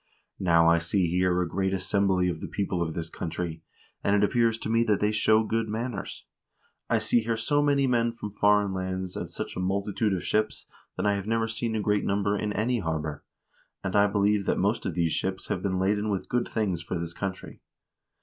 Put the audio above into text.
Now I see here a great assembly of the people of this country, and it appears to me that they show good manners. I see here so many men from foreign lands and such a multitude of ships that I have never seen a greater number in any harbor ; and I believe that most of these ships have been laden with good things for this country.